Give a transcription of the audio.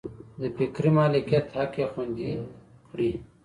د فکري مالکیت حق یې خوندي کړي.